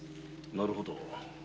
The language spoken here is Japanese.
なるほど。